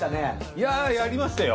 いややりましたよ。